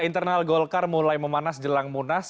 internal golkar mulai memanas jelang munas